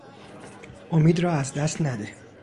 امید را از دست نده.